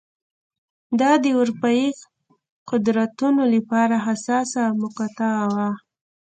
دا د اروپايي قدرتونو لپاره حساسه مقطعه وه.